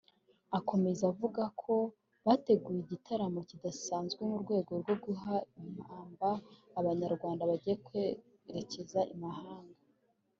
Akomeza avuga ko bateguye igitaramo kidasanzwe mu rwego rwo guha impamba Abanyarwanda bagiye kwerekeza i Mahanga